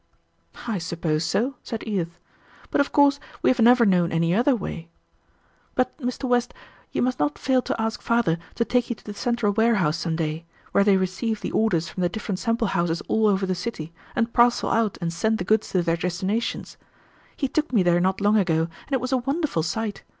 "I suppose so," said Edith, "but of course we have never known any other way. But, Mr. West, you must not fail to ask father to take you to the central warehouse some day, where they receive the orders from the different sample houses all over the city and parcel out and send the goods to their destinations. He took me there not long ago, and it was a wonderful sight.